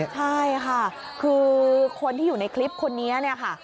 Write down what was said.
ใช่ค่ะคือคนที่อยู่ในคลิปคนนี้เนี่ยค่ะ